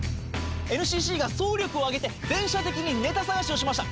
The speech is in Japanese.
ＮＣＣが総力を挙げて全社的にネタ探しをしました。